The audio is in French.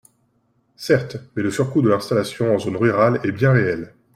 Certes, mais le surcoût de l’installation en zone rurale est bien réel.